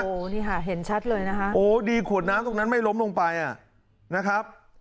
โอ้โหนี่ค่ะเห็นชัดเลยนะคะโอ้ดีขวดน้ำตรงนั้นไม่ล้มลงไปอ่ะนะครับ